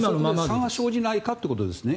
差が生じないかということですね。